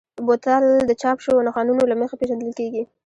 بوتل د چاپ شویو نښانونو له مخې پېژندل کېږي.